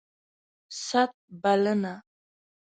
ست ... بلنه